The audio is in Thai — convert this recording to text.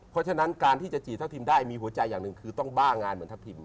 เพราะฉะนั้นการที่จะจีบทัพทิมได้มีหัวใจอย่างหนึ่งคือต้องบ้างานเหมือนทัพทิม